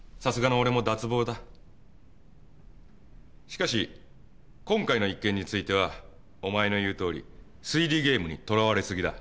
しかし今回の一件についてはお前の言うとおり推理ゲームにとらわれすぎだ。